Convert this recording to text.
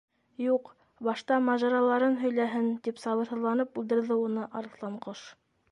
—Юҡ, башта мажараларын һөйләһен, —тип сабырһыҙланып бүлдерҙе уны Арыҫланҡош.